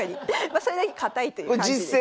まそれだけ堅いという感じです。